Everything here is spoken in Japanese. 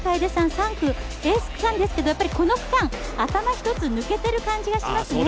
３区エース区間ですけど、この区間頭一つ抜けてる感じがしますね。